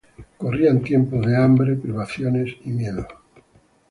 Corrían tiempos de hambre, privaciones y miedo.